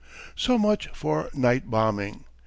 _] So much for night bombing.